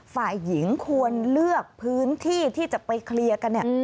ฝ่ายหญิงควรเลือกพื้นที่ที่จะไปเคลียร์กันเนี่ย